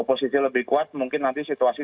posisi lebih kuat mungkin nanti situasi